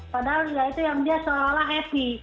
padahal ya itu yang dia seolah olah happy